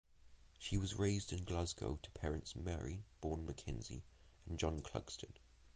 She was raised in Glasgow to parents Mary (born Mackenzie) and John Clugston.